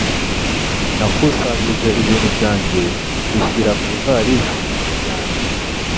Nakusanyije ibintu byanjye mbishyira mu ivarisi yanjye.